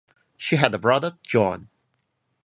She had a brother, John.